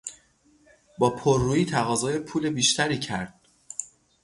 با پر رویی تقاضای پول بیشتری کرد.